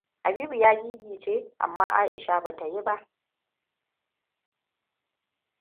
Habibu ya gigice, amma Aisha ba ta yi ba.